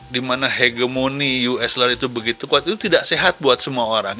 di mana hegemoni us dollar itu begitu kuat itu tidak sehat buat semua orang